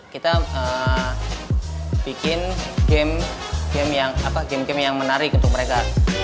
kita bikin game game yang menarik untuk mereka